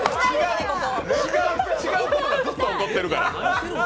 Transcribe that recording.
違うことがずっと起こってるから！